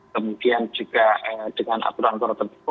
kemudian juga dengan aturan aturan tertentu